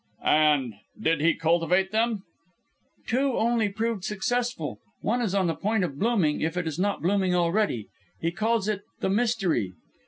"And did he cultivate them?" "Two only proved successful. One is on the point of blooming if it is not blooming already. He calls it the 'Mystery.'"